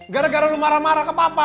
gara gara lu marah marah ke papa